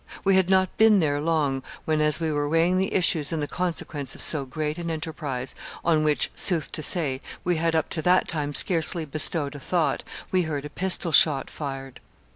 We had not been there long when, as we were weighing the issues and the consequence of so great an enterprise, on which, sooth to say, we had up to that time scarcely bestowed a thought, we heard a pistol shot fired.